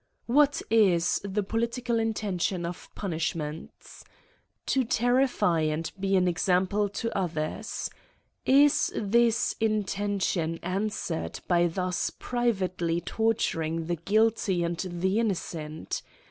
What is the political intention of punishments? To terrify and be an example to others. Is this intention answered by thub privately torturing the guilty and the innocent ?